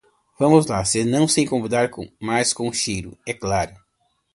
Vamos lá, se você não se incomodar mais com o cheiro, é claro.